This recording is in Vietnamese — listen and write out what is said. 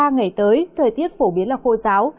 ba ngày tới thời tiết phổ biến là khô giáo